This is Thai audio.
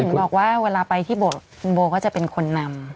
เออหรือบอกว่าเวลาไปที่โบสถ์คุณโบก็จะเป็นคนนำ